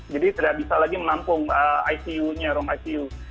jadi tidak bisa lagi menampung icu nya room icu